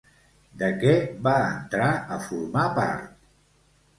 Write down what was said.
De què va entrar a formar part?